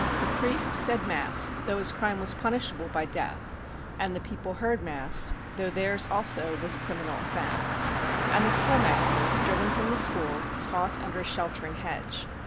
The priest said Mass, though his crime was punishable by death, and the people heard Mass, though theirs also was a criminal offence; and the schoolmaster, driven from the school, taught under a sheltering hedge.